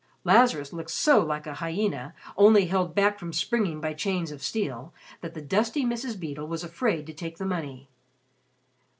Lazarus looked so like a hyena, only held back from springing by chains of steel, that the dusty Mrs. Beedle was afraid to take the money.